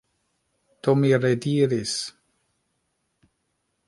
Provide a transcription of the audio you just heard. Do mi rediris